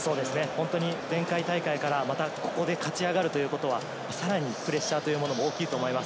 前回大会からここで勝ち上がるということはさらにプレッシャーも大きいと思います。